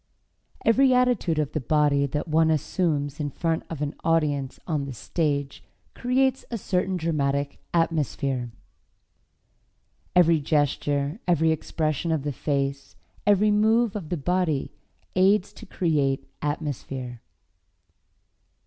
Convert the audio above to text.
Every attitude of the body that one assumes in front of an audience on the stage creates a certain dramatic atmosphere. Every gesture, every expression of the face, every move of the body aids to create atmosphere.